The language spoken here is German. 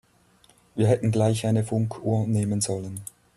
Wir hätten gleich eine Funkuhr nehmen sollen.